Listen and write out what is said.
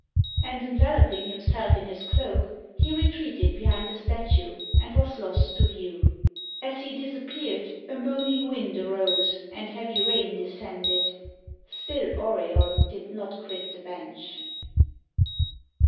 And, enveloping himself in his cloak, he retreated behind the statue, and was lost to view. As he disappeared, a moaning wind arose, and heavy rain descended. Still Auriol did not quit the bench.